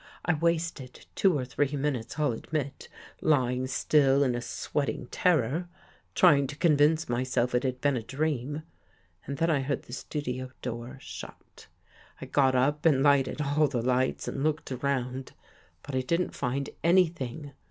I wasted two or three minutes, I'll admit, lying still in a sweat ing terror, trying to convince myself it had been a dream. And then I heard the studio door shut. I got up and lighted all the lights and looked around, but I didn't find anything.